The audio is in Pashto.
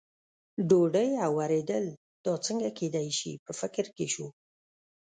ډوډۍ او ورېدل، دا څنګه کېدای شي، په فکر کې شو.